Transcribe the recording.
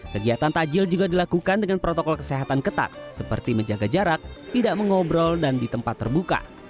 kegiatan tajil juga dilakukan dengan protokol kesehatan ketat seperti menjaga jarak tidak mengobrol dan di tempat terbuka